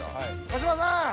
小芝さん。